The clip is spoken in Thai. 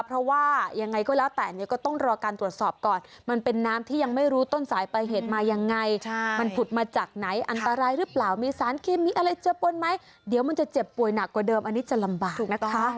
เพราะว่ายังไงก็แล้วแต่เนี่ยก็ต้องรอการตรวจสอบก่อนมันเป็นน้ำที่ยังไม่รู้ต้นสายไปเหตุมายังไงมันผุดมาจากไหนอันตรายหรือเปล่ามีสารเคมีอะไรเจอป้นไหมเดี๋ยวมันจะเจ็บป่วยหนักกว่าเดิมอันนี้จะลำบากนะคะ